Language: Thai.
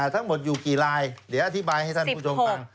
ทั้งหมดอยู่กี่ลายเดี๋ยวอธิบายให้ท่านผู้ชมฟัง